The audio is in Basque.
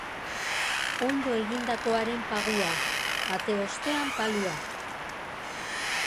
Ondo egindakoaren pagua: ate ostean palua.